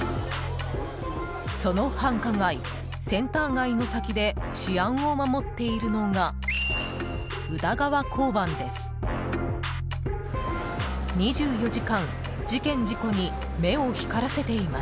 その繁華街、センター街の先で治安を守っているのが宇田川交番です。